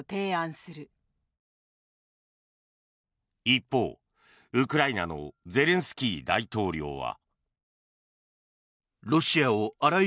一方、ウクライナのゼレンスキー大統領は。